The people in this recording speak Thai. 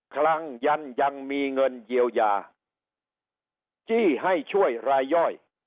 ครั้งยันยังมีเงินเยียวยาจี้ให้ช่วยรายย่อย